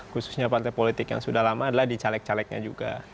khususnya partai politik yang sudah lama adalah di caleg calegnya juga